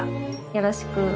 よろしく。